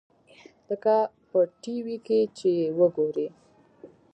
لکه په ټي وي کښې چې يې وګورې.